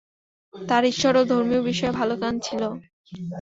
তার ঈশ্বর ও ধর্মীয় বিষয়ে ভালো জ্ঞান ছিল।